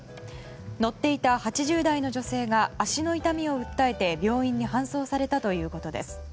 乗っていた８０代の女性が足の痛みを訴えて病院に搬送されたということです。